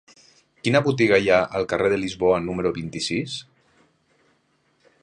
Quina botiga hi ha al carrer de Lisboa número vint-i-sis?